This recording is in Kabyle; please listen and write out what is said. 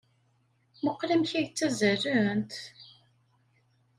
Mmuqqel amek ay ttazzalent!